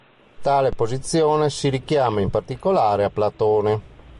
Tale posizione si richiama in particolare a Platone.